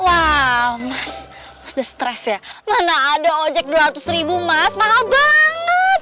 wow mas the stress ya mana ada ojek dua ratus ribu mas mahal banget